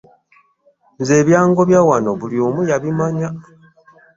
Nze ebyangobya wano buli omu yabimanya.